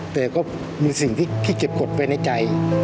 แต่ก็มีสิ่งที่เก็บกฎไปในใจ